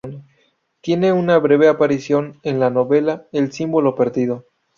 Tiene una breve aparición en la novela El símbolo perdido